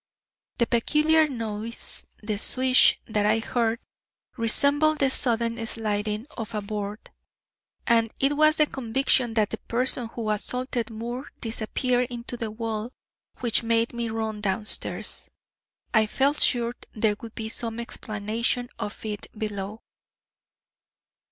The peculiar noise the swish that I heard, resembled the sudden sliding of a board, and it was the conviction that the person who assaulted Moore disappeared into the wall which made me run downstairs. I felt sure there would be some explanation of it below."